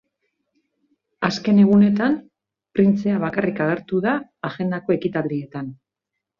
Azken egunetan, printzea bakarrik agertu da agendako ekitaldietan.